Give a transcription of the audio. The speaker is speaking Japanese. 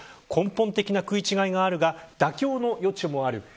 根本的な食い違いがあるが妥協の余地もある。